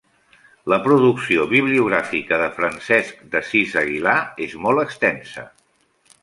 La producció bibliogràfica de Francesc d'Assís Aguilar és molt extensa.